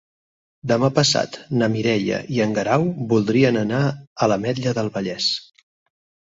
Demà passat na Mireia i en Guerau voldrien anar a l'Ametlla del Vallès.